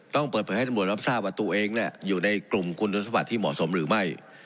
ต้องเปิดเผยให้ตำรวจรับทราบว่าตัวเองอยู่ในกลุ่มคุณสมบัติที่เหมาะสมหรือไม่